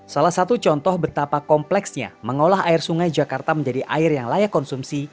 salah satu contoh betapa kompleksnya mengolah air sungai jakarta menjadi air yang layak konsumsi